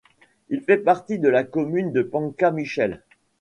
Il fait partie de la commune de Penka-Michel.